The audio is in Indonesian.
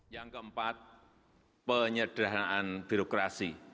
yang keempat penyederhanaan birokrasi